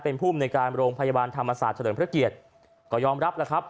เป็นภูมิในการโรงพยาบาลธรรมศาสตร์เฉลิมพระเกียรติก็ยอมรับแล้วครับ